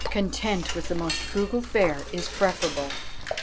Content, with the most frugal fare, is preferable."